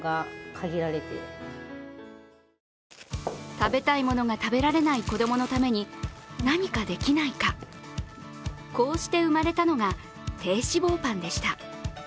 食べたいものが食べられない子供のために、何かできないか、こうして生まれたのが、低脂肪パンでした。